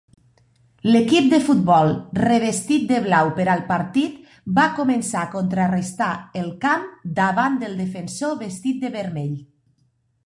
L'equip de futbol revestit de blau per al partit va començar a contrarestar el camp davant del Defensor vestit de vermell